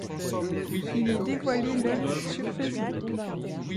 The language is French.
Il est dévoilé le sur Facebook.